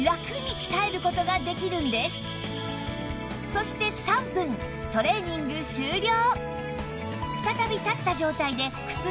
そして３分トレーニング終了